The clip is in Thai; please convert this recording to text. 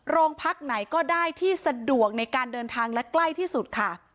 โรงพักไหนก็ได้ที่สะดวกในการเดินทางและใกล้ที่สุดค่ะ